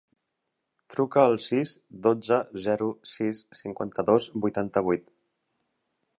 Truca al sis, dotze, zero, sis, cinquanta-dos, vuitanta-vuit.